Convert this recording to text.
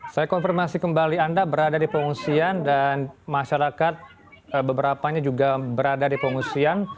saya konfirmasi kembali anda berada di pengungsian dan masyarakat beberapanya juga berada di pengungsian